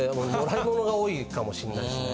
貰いものが多いかもしれないですね。